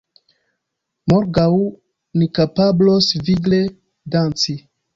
Morgaŭ ni kapablos vigle danci